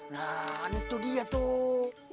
nah itu dia tuh